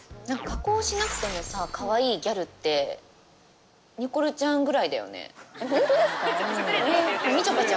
何か加工しなくてもさかわいいギャルってニコルちゃんぐらいだよね。